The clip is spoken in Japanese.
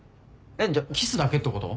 じゃあキスだけってこと？